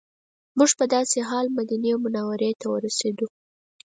موږ په داسې مهال مدینې منورې ته ورسېدو.